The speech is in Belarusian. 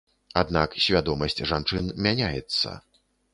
Аднак свядомасць жанчын мяняецца.